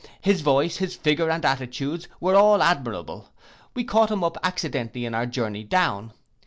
His voice, his figure, and attitudes, are all admirable. We caught him up accidentally in our journey down.